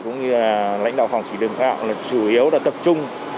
chủ yếu là tập trung